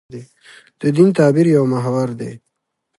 د دین تعبیر یو محور دی.